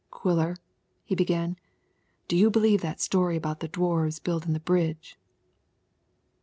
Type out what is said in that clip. "Quiller," he began, "do you believe that story about the Dwarfs buildin' the bridge?"